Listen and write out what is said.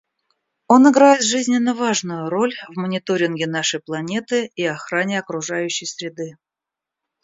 Он играет жизненно важную роль в мониторинге нашей планеты и охране окружающей среды.